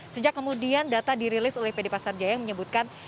sejak kemudian data dirilis oleh pd pasar jaya menyebutkan